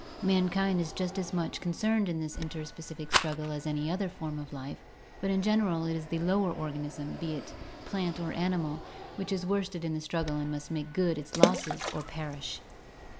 Mankind is just as much concerned in this interspecific struggle as any other form of life, but in general it is the lower organism, be it plant or animal, which is worsted in the struggle and must make good its losses or perish.